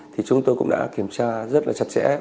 thì chúng tôi cũng đã kiểm tra rất là chặt chẽ